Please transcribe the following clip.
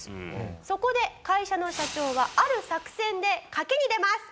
そこで会社の社長はある作戦で賭けに出ます。